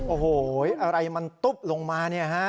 โอ้โหอะไรมันตุ๊บลงมาเนี่ยฮะ